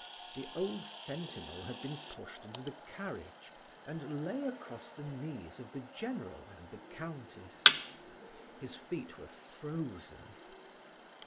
The old sentinel had been pushed into the carriage, and lay across the knees of the general and the Countess; his feet were frozen.